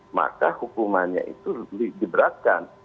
maka hukumannya itu diberatkan